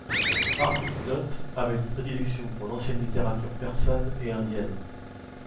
Arbuthnot avait une prédilection pour l'ancienne littérature persane et indienne.